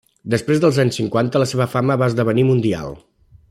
Després dels anys cinquanta la seva fama va esdevenir mundial.